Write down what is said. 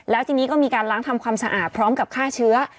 แล้วทีนี้ก็มีการล้างทำความสะอาดพร้อมกับฆ่าเชื้อ